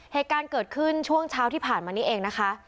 เหตุการณ์เกิดขึ้นช่วงเช้าที่ผ่านมานี้เองนะคะ